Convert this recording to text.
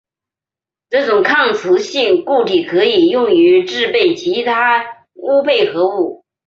这种抗磁性固体可以用于制备其它钨配合物。